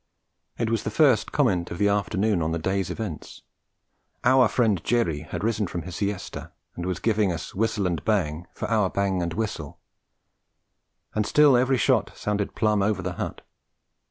It was the first comment of the afternoon on the day's events. 'Our friend Jerry' had risen from his siesta and was giving us whistle and bang for our bang and whistle; and still every shot sounded plumb over the hut.